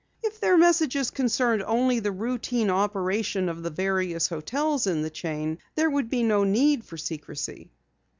If their messages concerned only the routine operation of the various hotels in the chain, there would be no need for secrecy.